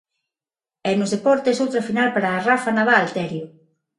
E nos deportes, outra final para Rafa Nadal, Terio.